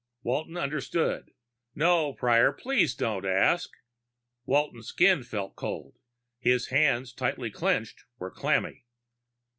Walton understood. "No, Prior. Please don't ask." Walton's skin felt cold; his hands, tightly clenched, were clammy.